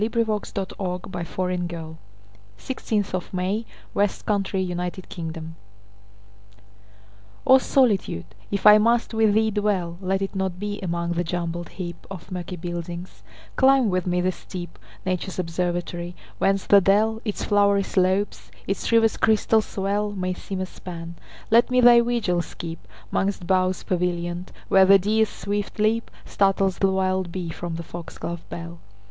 The Poetical Works of John Keats. 1884. 20. O Solitude! if I must with thee dwell O SOLITUDE! if I must with thee dwell, Let it not be among the jumbled heapOf murky buildings; climb with me the steep,—Nature's observatory—whence the dell, Its flowery slopes, its river's crystal swell, May seem a span; let me thy vigils keep'Mongst boughs pavillion'd, where the deer's swift leapStartles the wild bee from the fox glove bell.